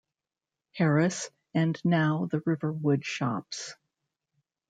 Harris and now The Riverwood Shops.